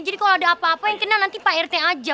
jadi kalau ada apa apa yang kena nanti pak rt aja